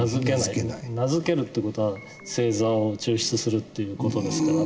名付けるっていう事は星座を抽出するっていう事ですからね。